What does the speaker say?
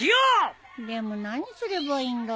でも何すればいいんだろう。